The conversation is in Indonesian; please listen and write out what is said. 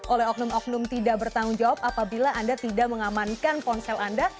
oleh oknum oknum tidak bertanggung jawab apabila anda tidak mengamankan ponsel anda